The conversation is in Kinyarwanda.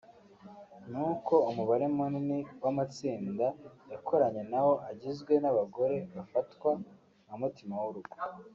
ni uko umubare munini w’amatsinda yakoranye nawo agizwe n’abagore bafatwa nka ‘mutima w’urugo’